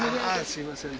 すみません。